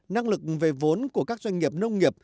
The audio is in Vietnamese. năng lực về vốn của các doanh nghiệp nông nghiệp